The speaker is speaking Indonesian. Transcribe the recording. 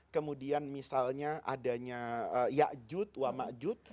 kemudian misalnya adanya yakjud wama'jud